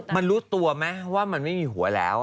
มันรู้ตัวไหมว่ามันไม่มีหัวแล้ว